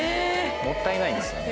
もったいないですよね。